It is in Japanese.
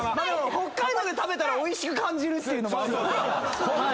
北海道で食べたらおいしく感じるっていうのもあるかもしれない。